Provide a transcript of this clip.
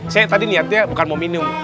saya tadi niatnya bukan mau minum